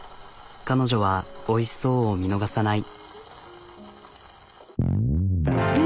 彼女は「おいしそう」を見逃さない。